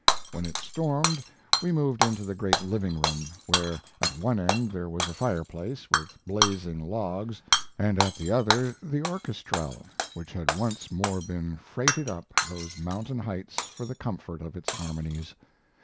When it stormed we moved into the great living room, where at one end there was a fireplace with blazing logs, and at the other the orchestrelle, which had once more been freighted up those mountain heights for the comfort of its harmonies.